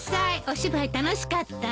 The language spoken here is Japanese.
お芝居楽しかった？